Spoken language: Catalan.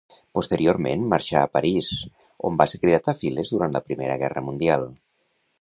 Posteriorment marxà a París, on va ser cridat a files durant la Primera Guerra Mundial.